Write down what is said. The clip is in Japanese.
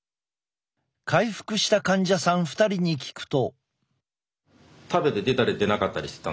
回復した患者さん２人に聞くと。